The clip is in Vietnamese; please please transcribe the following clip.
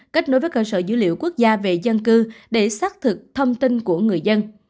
kết nối với cơ sở dữ liệu quốc gia về dân cư để xác thực thông tin của người dân